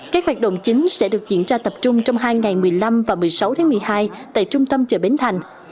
các hoạt động chính sẽ được diễn ra tập trung trong hai ngày một mươi năm và một mươi sáu tháng một mươi hai tại trung tâm chợ bến thành